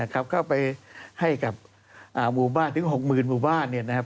เข้าไปให้กับหมู่บ้านก็อยู่กับ๖หมื่นหมู่บ้าน